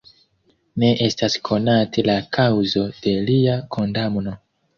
Ne estas konate la kaŭzo de lia kondamno.